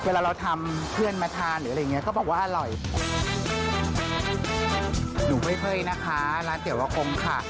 พอแม่และก็มารุ่นหลานค่ะ